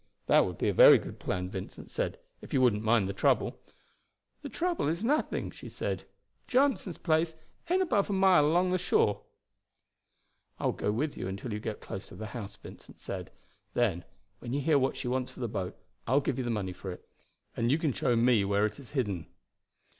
"That would be a very good plan," Vincent said, "if you wouldn't mind the trouble." "The trouble is nothing," she said. "Johnson's place ain't above a mile along the shore." "I will go with you until you get close to the house," Vincent said; "then, when you hear what she wants for the boat, I will give you the money for it, and you can show me where it is hidden."